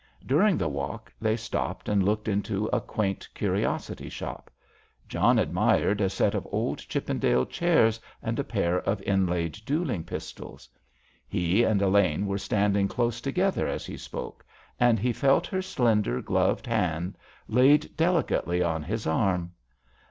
During the walk they stopped and looked into a quaint curiosity shop. John admired a set of old Chippendale chairs and a pair of inlaid duelling pistols. He and Elaine were standing close together as he spoke, and he felt her slender, gloved hand laid delicately on his arm.